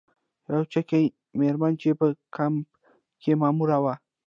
یوه چکي میرمن چې په کمپ کې ماموره وه.